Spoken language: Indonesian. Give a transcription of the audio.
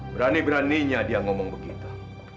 berani beraninya dia ngomong begitu